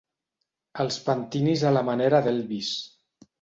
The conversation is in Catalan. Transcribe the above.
Els pentinis a la manera d'Elvis.